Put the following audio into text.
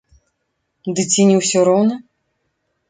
Ды ці не ўсё роўна?!